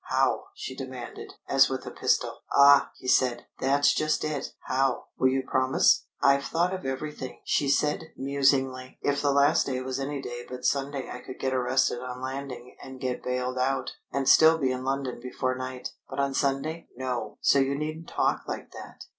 "How?" she demanded, as with a pistol. "Ah!" he said. "That's just it. How? Will you promise?" "I've thought of everything," she said musingly. "If the last day was any day but Sunday I could get arrested on landing and get bailed out, and still be in London before night. But on Sunday no! So you needn't talk like that."